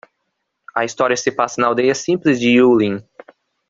A história se passa na aldeia simples de Yunlin